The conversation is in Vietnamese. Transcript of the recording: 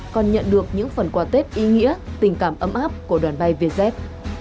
còn nhận được những phần quà tết ý nghĩa tình cảm ấm áp của đoàn bay vietjet